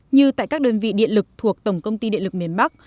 như tại các đơn vị điện lực thuộc tổng công ty điện lực miền bắc